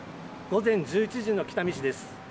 午前１１時の北見市です。